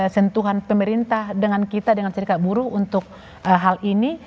sentuhan pemerintah dengan kita dengan serikat buruh untuk hal ini